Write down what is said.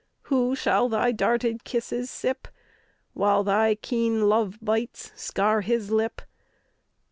Who shall thy darted kisses sip, While thy keen love bites scar his lip!